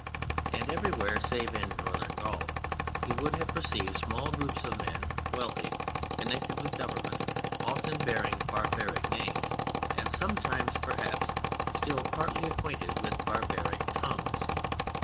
And everywhere save in Northern Gaul he would have perceived small groups of men, wealthy, connected with government, often bearing barbaric names, and sometimes (perhaps) still partly acquainted with barbaric tongues.